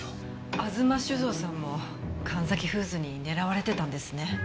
吾妻酒造さんも神崎フーズに狙われてたんですね？